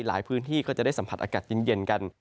พื้นที่ก็จะได้สัมผัสอากาศเย็นกัน